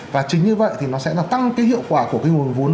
và chính như vậy thì nó sẽ làm tăng cái hiệu quả của cái nguồn vốn